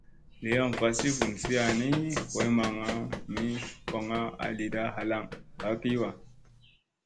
Li aŋ vasi vunsiya ni boy maŋ mi koŋ a lida halaŋ ɓagii wa.